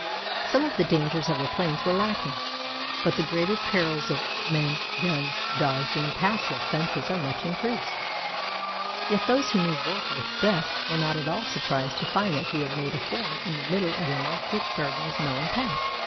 Some of the dangers of the plains were lacking, but the greater perils of men, guns, Dogs, and impassable fences are much increased. Yet those who knew Warhorse best were not at all surprised to find that he had made a form in the middle of a market gardener's melon patch.